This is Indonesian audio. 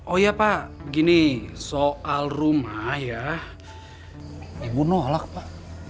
oh iya pak gini soal rumah ya ibu nolak pak